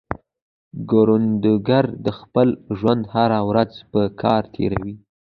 کروندګر د خپل ژوند هره ورځ په کار تېروي